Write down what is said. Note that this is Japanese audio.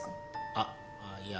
あっいや